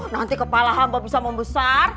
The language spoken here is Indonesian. nanti kepala hamba bisa membesar